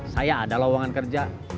saya ada lawangan kerja